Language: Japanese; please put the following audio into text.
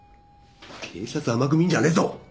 警察甘く見んじゃねえぞ！